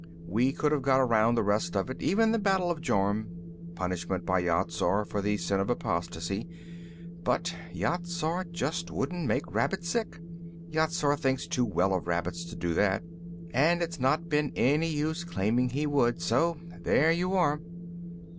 We could have got around the rest of it, even the Battle of Jorm punishment by Yat Zar for the sin of apostasy but Yat Zar just wouldn't make rabbits sick. Yat Zar thinks too well of rabbits to do that, and it'd not been any use claiming he would. So there you are."